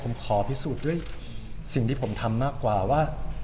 ผมขอพิสูจน์ด้วยสิ่งที่ผมทำมากกว่าว่า